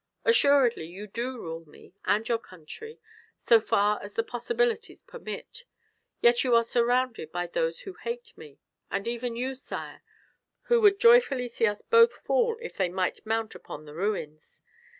Assuredly you do rule me and your country, so far as the possibilities permit. Yet you are surrounded by those who hate me, and even you, sire, who would joyfully see us both fall if they might mount upon the ruins.